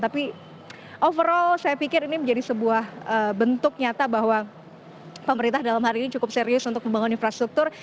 tapi overall saya pikir ini menjadi sebuah bentuk nyata bahwa pemerintah dalam hari ini cukup serius untuk membangun infrastruktur